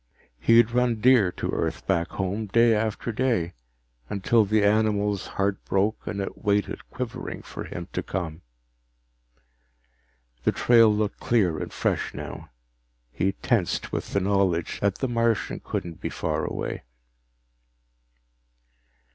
He'd run deer to earth back home, day after day until the animal's heart broke and it waited quivering for him to come. The trail looked clear and fresh now. He tensed with the knowledge that the Martian couldn't be far away.